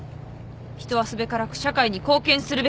人はすべからく社会に貢献するべきです。